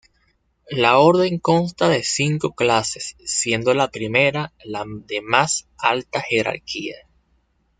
La orden consta de cinco clases, siendo la I la de más alta jerarquía.